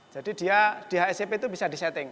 jadi di hacb itu bisa disetting